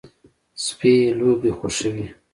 سپي لوبې خوښوي.